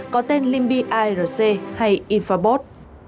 có tên limpirc hay infobot